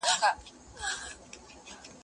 ايا ته لوبه کوې،